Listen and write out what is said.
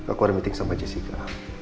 aku ada meeting sama jessica